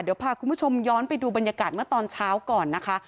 เดี๋ยวพาคุณผู้ชมย้อนไปดูบรรยากาศเมื่อตอนเช้าก่อนนะคะ